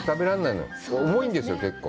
重いんですよ、結構。